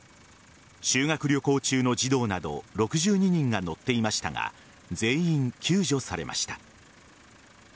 修学旅行中の児童など６２人が乗っていましたが全員救助されました。